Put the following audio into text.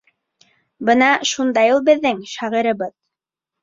Бына шундай ул беҙҙең шағирыбыҙ.